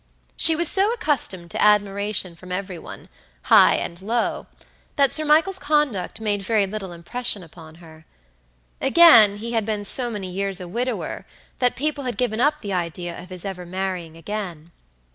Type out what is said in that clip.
She was so accustomed to admiration from every one, high and low, that Sir Michael's conduct made very little impression upon her. Again, he had been so many years a widower that people had given up the idea of his ever marrying again.